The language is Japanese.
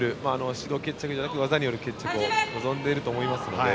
指導決着じゃなく技による決着を望んでいると思いますので。